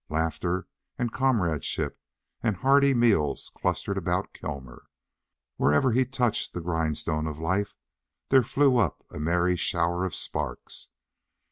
Laughter and comradeship and hearty meals clustered about Kilmer: wherever he touched the grindstone of life there flew up a merry shower of sparks.